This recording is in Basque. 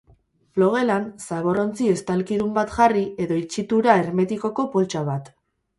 Logelan zabor-ontzi estalkidun bat jarri, edo itxitura hermetikoko poltsa bat.